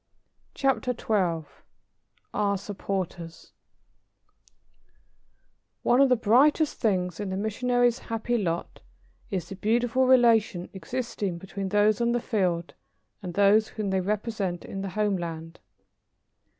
CHAPTER XII OUR SUPPORTERS One of the brightest things in the missionary's happy lot is the beautiful relation existing between those on the field and those whom they represent in the homeland.